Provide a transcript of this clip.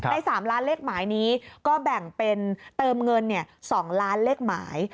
ใน๓ล้านเลขหมายนี้ก็แบ่งเป็นเติมเงิน๒ล้านเลขหมาย